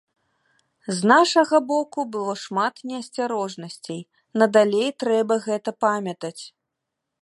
З нашага боку было шмат неасцярожнасцей, надалей трэба гэта памятаць.